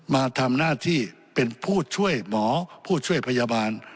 มาทำหน้าที่เป็นผู้ช่วยหมอผู้ช่วยพยาบาล